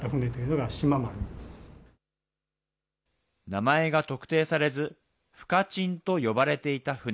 名前が特定されず、深沈と呼ばれていた船。